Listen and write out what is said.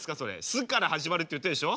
「す」から始まるって言ってるでしょ。